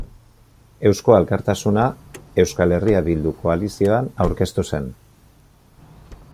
Eusko Alkartasuna Euskal Herria Bildu koalizioan aurkeztu zen.